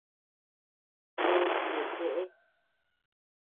Uu neʼë chëe.